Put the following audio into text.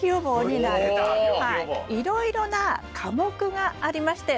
いろいろな科目がありましたよね。